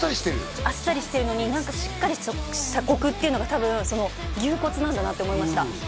あっさりしてるのにしっかりしたコクっていうのが多分牛骨なんだなって思いました